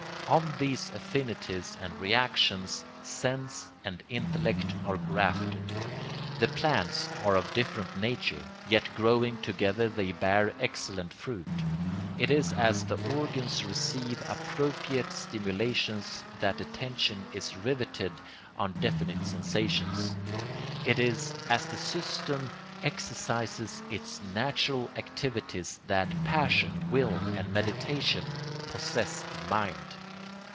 On these affinities and reactions sense and intellect are grafted. The plants are of different nature, yet growing together they bear excellent fruit. It is as the organs receive appropriate stimulations that attention is riveted on definite sensations. It is as the system exercises its natural activities that passion, will, and meditation possess the mind.